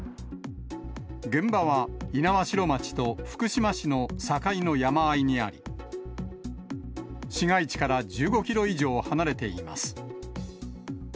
現場は猪苗代町と福島市の境の山あいにあり、市街地から１５キロ以上離れています。